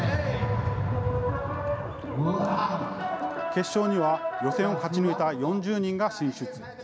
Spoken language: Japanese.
決勝には、予選を勝ち抜いた４０人が進出。